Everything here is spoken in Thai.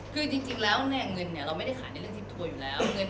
คือจริงชาวเน่งเงินเนี่ยเราไม่ได้ขายในเรื่องทอีนเนี่ย